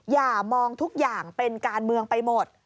อย่ามองทุกอย่างเป็นการเมืองไปหมด